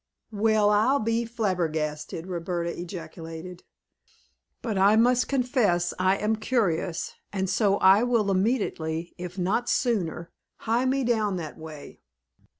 "Well, I'll be flabbergasted!" Roberta ejaculated. "But I must confess I am curious, and so I will immediately, if not sooner, hie me down that way.